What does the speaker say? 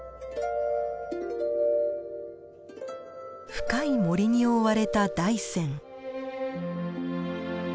深い森に覆われた大山。